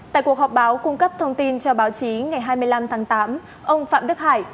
tại cuộc họp báo cung cấp thông tin cho báo chí ngày hai mươi năm tháng tám ông phạm đức hải